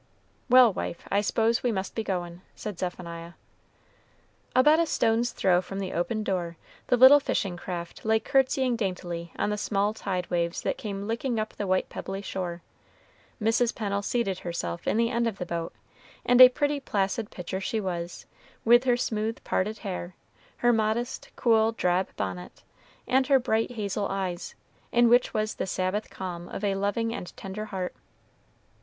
"Well, wife, I suppose we must be goin'," said Zephaniah. About a stone's throw from the open door, the little fishing craft lay courtesying daintily on the small tide waves that came licking up the white pebbly shore. Mrs. Pennel seated herself in the end of the boat, and a pretty placid picture she was, with her smooth, parted hair, her modest, cool, drab bonnet, and her bright hazel eyes, in which was the Sabbath calm of a loving and tender heart.